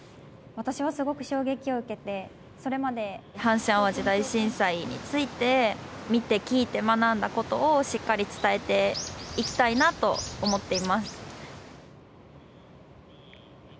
私はすごく衝撃を受けて、それまで阪神・淡路大震災について見て、聞いて、学んだことをしっかり伝えていきたいなと思っています。